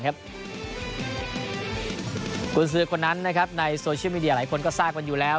คุณซื้อคนนั้นในโซเชียลมีเดียหลายคนก็ทราบกันอยู่แล้ว